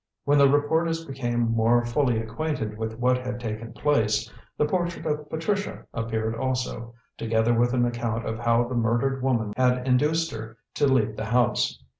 When the reporters became more fully acquainted with what had taken place, the portrait of Patricia appeared also, together with an account of how the murdered woman had induced her to leave the house.